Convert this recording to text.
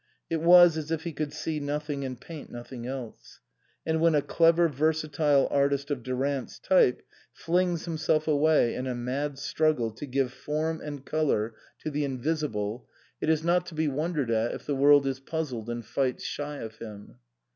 It was as if he could see nothing and paint nothing else. And when a clever versatile artist of Durant's type flings himself away in a mad struggle to give form and colour to the in 194 OUTWAKD BOUND visible, it is not to be wondered at if the world is puzzled and fights shy of him.